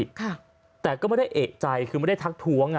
ค่ะแต่ก็ไม่ได้เอกใจคือไม่ได้ทักท้วงอ่ะ